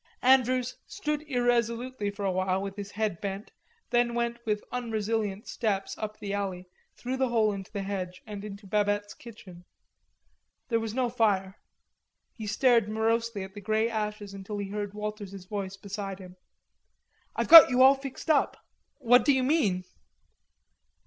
Andrews, stood irresolutely for a while with his head bent, then went with unresilient steps up the alley, through the hole in the hedge and into Babette's kitchen. There was no fire. He stared morosely at the grey ashes until he heard Walters's voice beside him: "I've got you all fixed up." "What do you mean?"